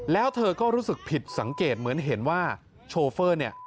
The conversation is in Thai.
แล้วเธอก็รู้สึกผิดสังเกตเหมือนเห็นว่าโชเฟอร์เนี่ย